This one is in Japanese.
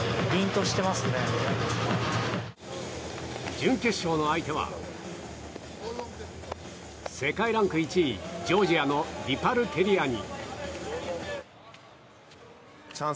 準決勝の相手は世界ランク１位、ジョージアのリパルテリアニ。